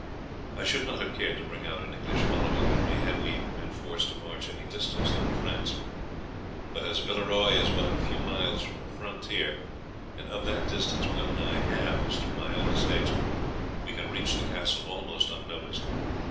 I should not have cared to bring out an English following with me had we been forced to march any distance through France; but as Villeroy is but a few miles from the frontier, and of that distance well nigh half is through my own estates, we can reach the castle almost unnoticed.